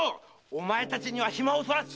おまえたちには暇を取らす！